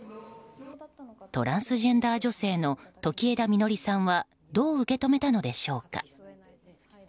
トランスジェンダー女性の時枝穂さんはどう受け止めたのでしょうか。